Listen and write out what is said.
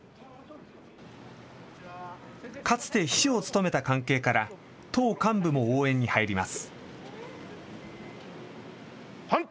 かつて秘書を務めた関係から党幹部も応援に入ります。